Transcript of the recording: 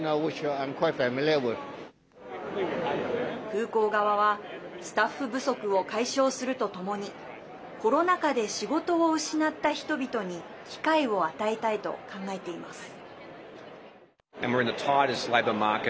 空港側は、スタッフ不足を解消するとともにコロナ禍で仕事を失った人々に機会を与えたいと考えています。